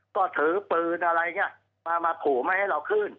ก็ถือปืนอะไรอย่างนี้มาขู่ไม่ให้เราขึ้น